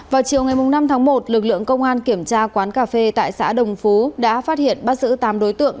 vào chiều ngày năm tháng một lực lượng công an kiểm tra quán cà phê tại xã đồng phú đã phát hiện bắt giữ tám đối tượng